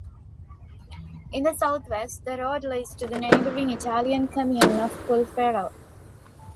In the southwest, the road leads to the neighbouring Italian "comune" of Pulfero.